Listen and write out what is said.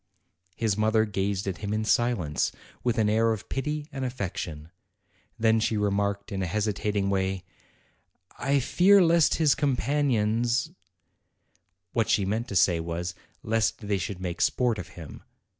His mother gazed at him in silence, with an air of pity and affection. Then she remarked, in a hesitat ing way, T fear lest his companions ' What she meant to say was, "lest they should make sport of him."